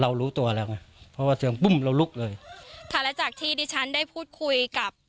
รู้ตัวแล้วไงเพราะว่าเสียงปุ้มเราลุกเลยค่ะและจากที่ดิฉันได้พูดคุยกับ